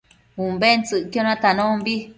Umbentsëcquio natanombi